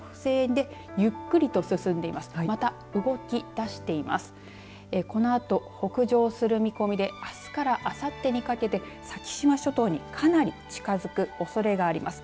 このあと北上する見込みであすからあさってにかけて先島諸島にかなり近づくおそれがあります。